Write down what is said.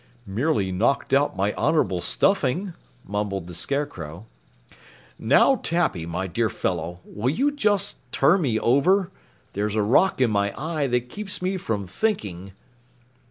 "Merely knocked out my honorable stuffing," mumbled the Scarecrow. "Now Tappy, my dear fellow, will you just turn me over? There's a rock in my eye that keeps me from thinking."